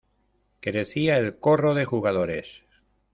crecía el corro de jugadores.